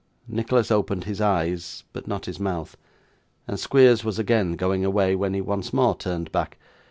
Nicholas opened his eyes, but not his mouth; and Squeers was again going away, when he once more turned back.